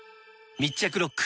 密着ロック！